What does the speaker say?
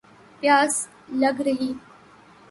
پیاس لَگ رہی